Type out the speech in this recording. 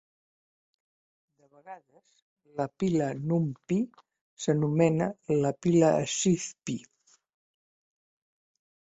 De vegades, la pila NumPy s'anomena "pila SciPy".